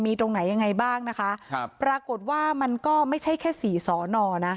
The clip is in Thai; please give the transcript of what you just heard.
มีตรงไหนยังไงบ้างนะคะครับปรากฏว่ามันก็ไม่ใช่แค่สี่สอนอนะ